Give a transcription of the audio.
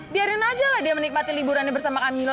biarin aja lah dia menikmati liburannya bersama kami